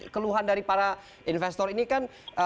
keluhan dari para investor ini kan